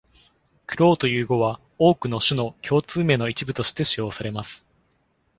「crow」という語は、多くの種の共通名の一部として使用されます。